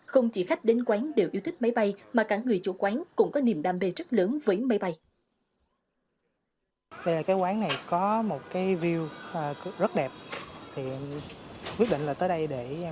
không chỉ khách đến quán đều yêu thích máy bay mà cả người chủ quán cũng có niềm đam mê rất lớn với máy bay